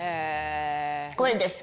これです。